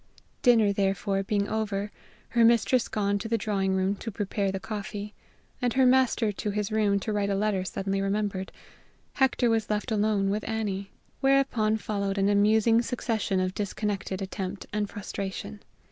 Dinner, therefore, being over, her mistress gone to the drawing room to prepare the coffee, and her master to his room to write a letter suddenly remembered, Hector was left alone with Annie. Whereupon followed an amusing succession of disconnected attempt and frustration.